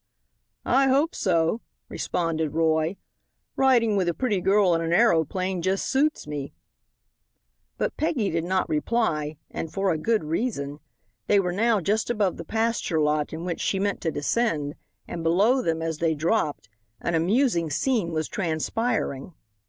"I hope so," responded Roy, "riding with a pretty girl in an aeroplane just suits me." But Peggy did not reply, and for a good reason. They were now just above the pasture lot in which she meant to descend, and below them, as they dropped, an amusing scene was transpiring.